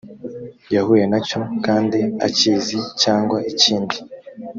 yahuye na cyo kandi akizi cyangwa ikindi